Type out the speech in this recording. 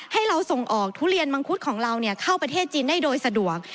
ให้เราส่งออกทุเรียนมังคุดของเราเข้าประเทศจีนได้โดยสะดวก